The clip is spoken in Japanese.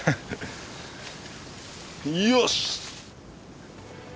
よし！